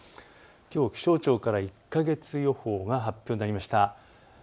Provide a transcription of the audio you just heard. きょう気象庁から１か月予報が発表になりました。